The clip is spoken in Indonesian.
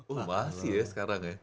oh masih ya sekarang ya